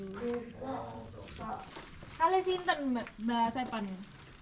oh di kolamowania pesel